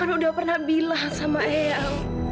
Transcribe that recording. alena kan udah pernah bilang sama ayang